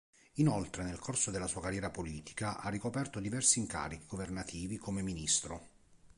Inoltre, nel corso della sua carriera politica, ha ricoperto diversi incarichi governativi come Ministro.